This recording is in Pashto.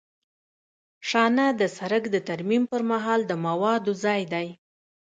شانه د سرک د ترمیم پر مهال د موادو ځای دی